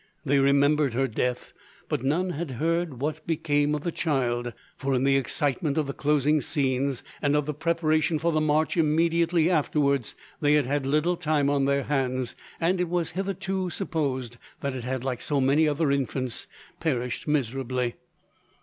They remembered her death, but none had heard what became of the child, for in the excitement of the closing scenes, and of the preparation for the march immediately afterwards, they had had little time on their hands, and it was hitherto supposed that it had, like so many other infants, perished miserably.